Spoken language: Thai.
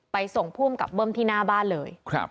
ส่งภูมิกับเบิ้มที่หน้าบ้านเลย